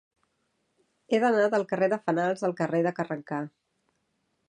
He d'anar del carrer de Fenals al carrer de Carrencà.